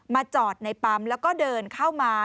จอดในปั๊มแล้วก็เดินเข้ามา